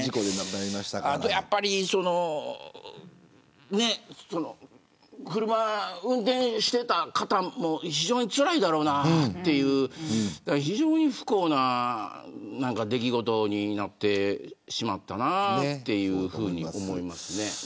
あとは、やっぱり車を運転していた方も非常につらいだろうなという非常に不幸な出来事になってしまったなというふうに思います。